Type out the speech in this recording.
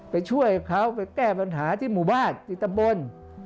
ไปช่วยเขาไปแก้ปัญหาที่หมู่บ้านที่ตำบล